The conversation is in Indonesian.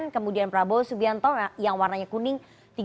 kemudian prabowo subianto yang warnanya kuning